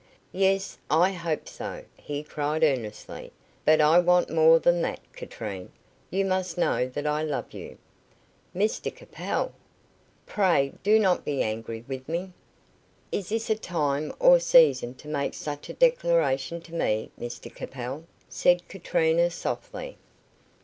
"Yes, I hope so," he cried earnestly, "but I want more than that, Katrine. You must know that I love you." "Mr Capel!" "Pray do not be angry with me." "Is this a time or season to make such a declaration to me, Mr Capel?" said Katrine, softly.